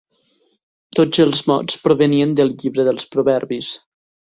Tots els mots provenien del Llibre dels proverbis.